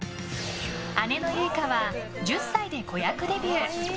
姉のユイカは１０歳で子役デビュー。